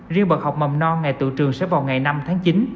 riêng bậc học mầm non ngày tự trường sẽ vào ngày năm tháng chín